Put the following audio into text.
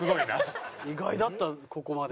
意外だったここまで。